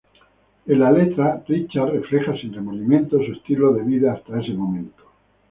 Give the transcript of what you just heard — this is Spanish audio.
En la letra, Richards refleja sin remordimientos su estilo de vida hasta ese momento.